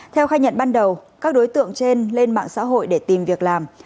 theo khai nhận ban đầu các đối tượng trên lên mạng xã hội để tìm việc làm